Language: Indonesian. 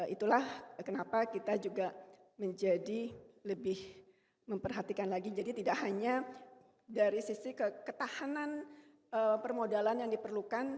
itulah kenapa kita juga menjadi lebih memperhatikan lagi jadi tidak hanya dari sisi ketahanan permodalan yang diperlukan